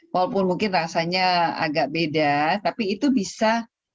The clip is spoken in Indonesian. walaupun mungkin rasanya agak beda tapi itu bisa